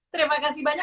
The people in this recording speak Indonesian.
terima kasih banyak